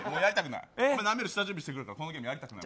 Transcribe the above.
なめる下準備してるからもうこのゲームやりたくない。